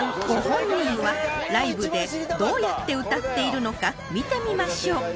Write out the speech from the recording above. ご本人はライブでどうやって歌っているのか見てみましょう